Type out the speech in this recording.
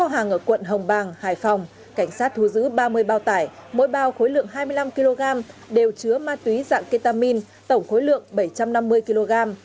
hải phòng cảnh sát thu giữ ba mươi bao tải mỗi bao khối lượng hai mươi năm kg đều chứa ma túy dạng ketamin tổng khối lượng bảy trăm năm mươi kg